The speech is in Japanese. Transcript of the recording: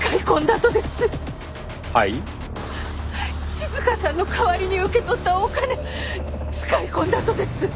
静さんの代わりに受け取ったお金使い込んだとです。